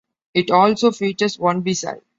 It also features one B-side.